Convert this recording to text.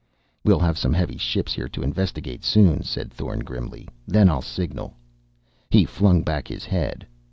"We'll have some heavy ships here to investigate, soon," said Thorn grimly. "Then I'll signal!" He flung back his head.